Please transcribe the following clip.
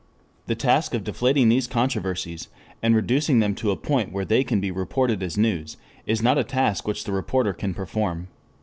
The task of deflating these controversies, and reducing them to a point where they can be reported as news, is not a task which the reporter can perform.